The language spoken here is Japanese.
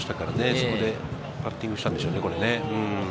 そこでバッティングしたんでしょうね。